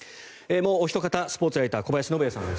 もうおひと方スポーツライターの小林信也さんです。